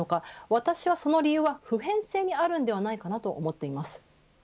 私はその理由は不変性にあるんではないかなと思っています。